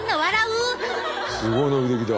すごい伸びてきた。